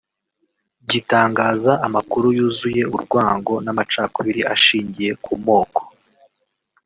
gitangaza amakuru yuzuye urwango n’amacakubiri ashingiye ku moko